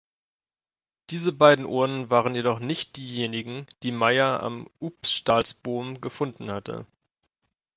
Diese beiden Urnen waren jedoch nicht diejenigen, die Meyer am Upstalsboom gefunden hatte.